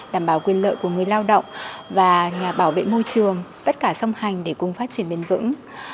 đảm bảo quyền lợi của người lao động và nhà bảo vệ môi trường tất cả song hành để cùng phát triển bền vững